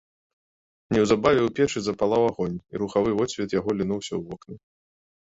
Неўзабаве ў печы запалаў агонь, і рухавы водсвет яго лінуўся ў вокны.